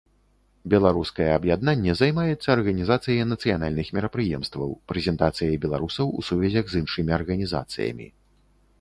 Беларускае аб'яднанне займаецца арганізацыяй нацыянальных мерапрыемстваў, прэзентацыяй беларусаў у сувязях з іншымі арганізацыямі.